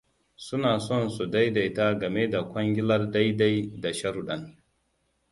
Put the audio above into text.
Suna son su daidaita game da kwangilar dai-dai da sharudan.